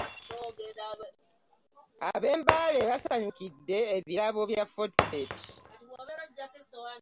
Ab'eMbaale basanyukidde ebirabo bya Fortebet.